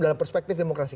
dalam perspektif demokrasi